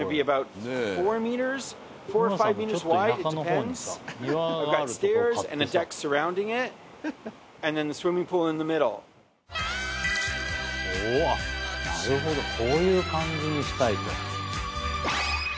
うわなるほどこういう感じにしたいと。